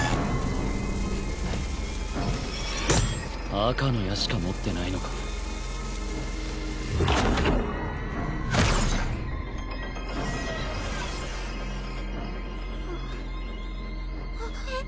赤の矢しか持ってないのかあっあっ？